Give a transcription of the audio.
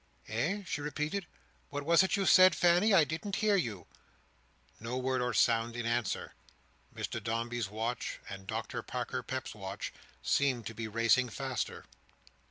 "Eh?" she repeated, "what was it you said, Fanny? I didn't hear you." No word or sound in answer. Mr Dombey's watch and Dr Parker Peps's watch seemed to be racing faster.